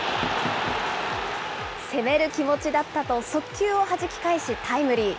攻める気持ちだったと、速球をはじき返しタイムリー。